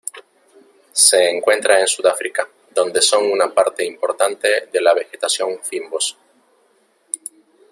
Se encuentra en Sudáfrica, donde son una parte importante de la vegetación fynbos.